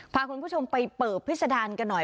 พาคุณผู้ชมไปเปิบพิษดารกันหน่อย